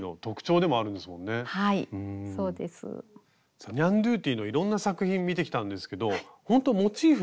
さあニャンドゥティのいろんな作品見てきたんですけどほんとモチーフ。